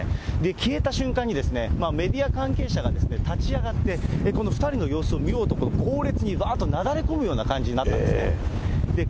消えた瞬間に、メディア関係者が立ち上がって、この２人の様子を見ようと、この後列にわーっとなだれ込むような感じになったんですね。